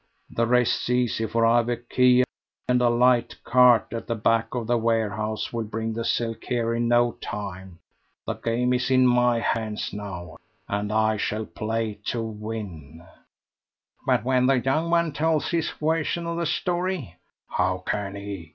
The rest's easy, for I've a key, and a light cart at the back of the warehouse will bring the silk here in no time. The game's in my hands now, and I shall play to win." "But when the young one tells his version of the story?" "How can he?